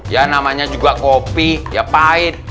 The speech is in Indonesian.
ya namanya juga kopi ya pahit